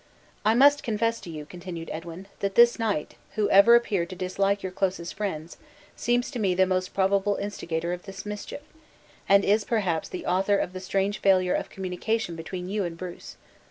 "I must confess to you," continued Edwin, "that this knight, who ever appeared to dislike your closest friends, seems to me the most probable instigator of this mischief; and is, perhaps, the author of the strange failure of communication between you and Bruce!